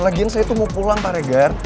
lagian saya itu mau pulang pak regar